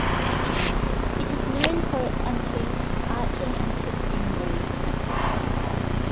It is known for its untoothed arching and twisting leaves.